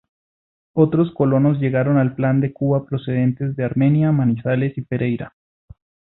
Otros colonos llegaron al plan de cuba procedentes de Armenia, Manizales y Pereira.